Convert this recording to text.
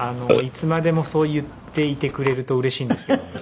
いつまでもそう言っていてくれるとうれしいんですけど。